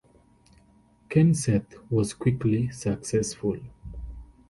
Kenseth was quickly successful.